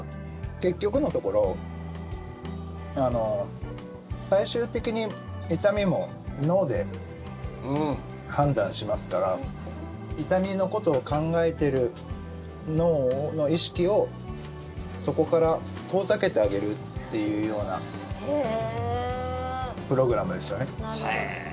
結局のところ、最終的に痛みも脳で判断しますから痛みのことを考えている脳の意識をそこから遠ざけてあげるというようなプログラムですよね。